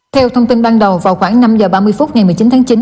theo thông tin ban đầu vào khoảng năm h ba mươi phút ngày một mươi chín tháng chín